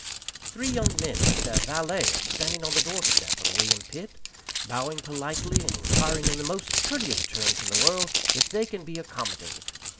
Three young men, with their valet, are standing on the doorstep of the William Pitt, bowing politely, and inquiring in the most courteous terms in the world if they can be accommodated.